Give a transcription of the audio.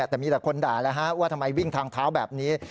แต่มีแต่คนด่าแล้วฮะว่าทำไมวิ่งทางเท้าแบบนี้